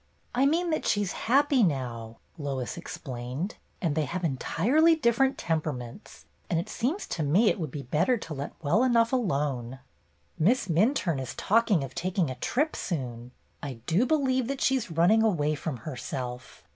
"I mean that she 's happy now," Lois ex plained, "and they have entirely different temperaments, and it seems to me it would be better to let well enough alone." "Miss Minturne is talking of taking a trip soon. I do believe that she 's running away from herself.